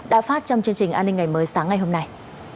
đã phát trong chương trình an ninh ngày mới sáng ngày hôm nay